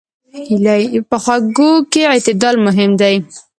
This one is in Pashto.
په خوږو کې اعتدال مهم دی.